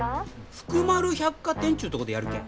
福丸百貨店ちゅうとこでやるけん。